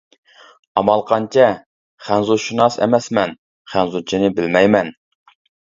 ئامال قانچە، خەنزۇشۇناس ئەمەسمەن، خەنزۇچىنى بىلمەيمەن.